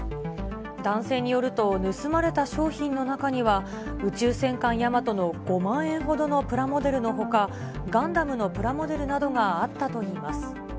男性によると、盗まれた商品の中には、宇宙戦艦ヤマトの５万円ほどのプラモデルのほか、ガンダムのプラモデルなどがあったといいます。